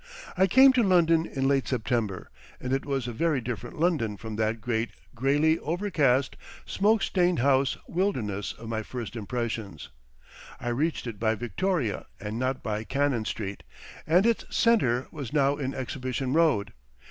I came to London in late September, and it was a very different London from that great greyly overcast, smoke stained house wilderness of my first impressions. I reached it by Victoria and not by Cannon Street, and its centre was now in Exhibition Road.